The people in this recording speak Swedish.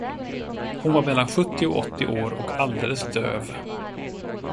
Hon var mellan sjuttio och åttio år och alldeles döv.